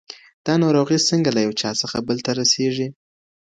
دا ناروغي څنګه له یو چا څخه بل ته رسیږي؟